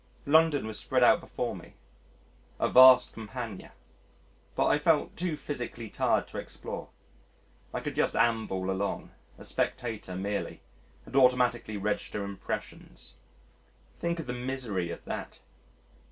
London was spread out before me, a vast campagne. But I felt too physically tired to explore. I could just amble along a spectator merely and automatically register impressions. Think of the misery of that!